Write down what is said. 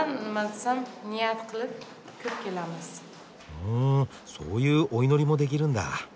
ふんそういうお祈りもできるんだ。